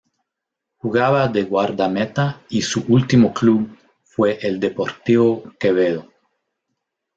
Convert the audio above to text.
Jugaba de guardameta y su ultimo club fue el Deportivo Quevedo.